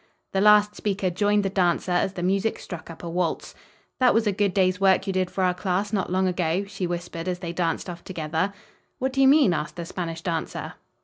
The last speaker joined the dancer as the music struck up a waltz. "That was a good day's work you did for our class, not long ago," she whispered as they danced off together. "What do you mean?" asked the Spanish dancer.